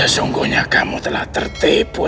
jangan dengarkan makhluk itu jaka